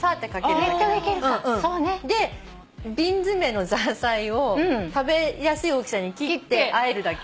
で瓶詰のザーサイを食べやすい大きさに切ってあえるだけ。